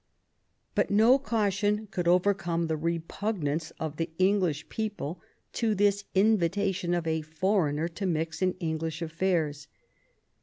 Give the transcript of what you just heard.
But no caution could overcome; the repug nance of the English people to this invitation of a foreigner to mix in English affairs.